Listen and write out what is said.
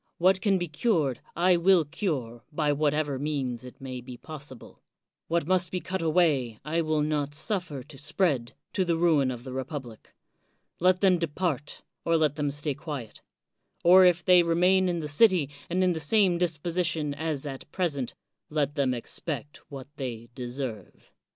What can be cured, I will cure, by whatever means it may be possible. What must be cut away, I will not suffer to spread, to the ruin of the republic. Let them depart, or let them stay quiet; or if they remain in the city and in the same disposition as at present, let them expect what they deserve.